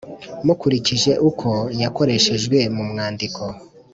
mukurikije uko yakoreshejwe mu mwandiko.